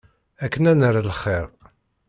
Akken ad nerr lxir.